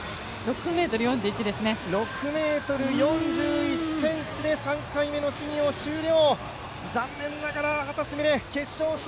６ｍ４１で３回目の試技を終了。